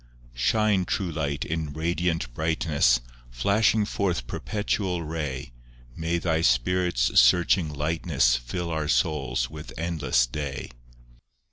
II Shine, True Light, in radiant brightness, Flashing forth perpetual ray; May Thy Spirit's searching lightness, Fill our souls with endless day.